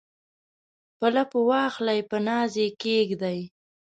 په لپو واخلي په ناز یې کښیږدي